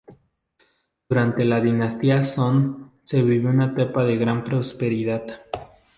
Durante la dinastía Son, se vivió una etapa de gran prosperidad.